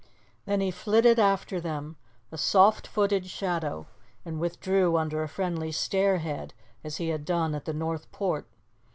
Then he flitted after them, a soft footed shadow, and withdrew under a friendly 'stairhead,' as he had done at the North Port.